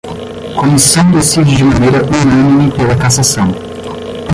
Comissão decide de maneira unânime pela cassação